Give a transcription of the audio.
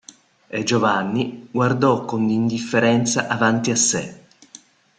E Giovanni guardò con indifferenza avanti a sè.